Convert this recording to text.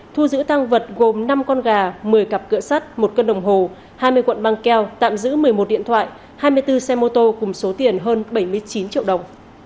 thu giữ tăng vật gồm năm con gà một mươi cặp cửa sắt một cân đồng hồ hai mươi cuộn băng keo tạm giữ một mươi một điện thoại hai mươi bốn xe mô tô cùng số tiền hơn bảy mươi chín triệu đồng